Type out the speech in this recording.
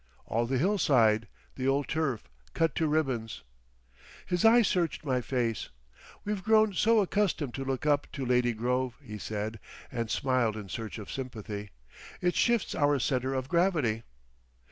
"All the hillside—the old turf—cut to ribbons!" His eye searched my face. "We've grown so accustomed to look up to Lady Grove," he said, and smiled in search of sympathy. "It shifts our centre of gravity."